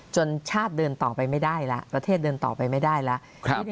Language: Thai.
จนชาติเดินต่อไปไม่ได้ล่ะประเทศเดินต่อไปไม่ได้ล่ะครับ